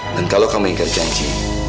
dan kalau kamu ingat janji